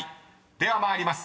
では参ります］